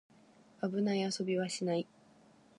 危ない遊びはしない